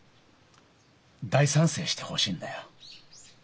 大賛成してほしいんだよ。